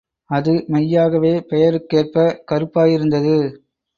அது மெய்யாகவே பெயருக்கேற்ப கருப்பாயிருந்தது.